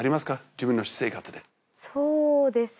自分の私生活でそうですね